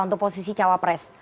untuk posisi cawapres